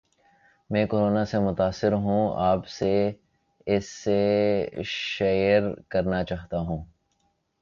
میں کورونا سے متاثر ہوں اپ سے اسے شیئر کرنا چاہتا ہوں